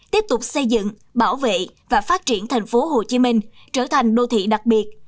tiếp tục xây dựng bảo vệ và phát triển thành phố hồ chí minh trở thành đô thị đặc biệt